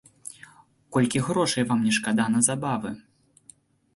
Колькі грошай вам не шкада на забавы?